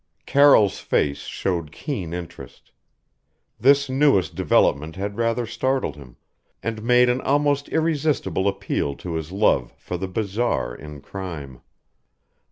Carroll's face showed keen interest. This newest development had rather startled him, and made an almost irresistible appeal to his love for the bizarre in crime.